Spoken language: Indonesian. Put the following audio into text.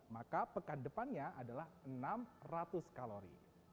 maka pekan depannya adalah enam ratus kalori